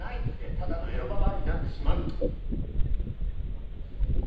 ただのエロババアになってしまう。